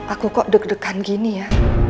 aku kok deg degan gini ya